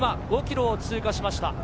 今、５ｋｍを通過しました。